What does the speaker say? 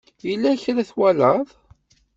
Yella kra i twalaḍ?